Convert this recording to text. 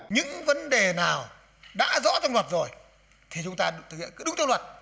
những vấn đề nào đã rõ trong luật rồi thì chúng ta thực hiện cứ đúng theo luật